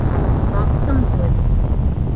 — Таптың һүҙ.